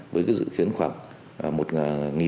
với dự kiến khoảng